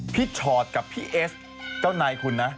ชอตกับพี่เอสเจ้านายคุณนะ